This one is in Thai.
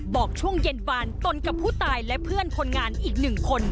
บอกช่วงเย็นวานตนกับผู้ตายและเพื่อนคนงานอีกหนึ่งคน